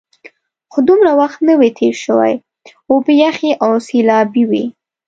خو دومره وخت نه وي تېر شوی، اوبه یخې او سیلابي وې.